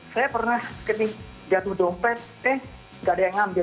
saya pernah jatuh dompet eh nggak ada yang ngambil